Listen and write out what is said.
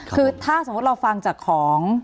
คือถ้าสมมุติเราฟังจากของ